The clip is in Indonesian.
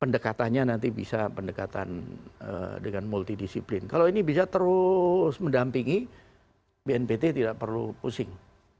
pendekatannya nanti bisa pendekatan dengan multidisiplin kalau ini bisa terus mendampingi bnpt tidak perlu pusing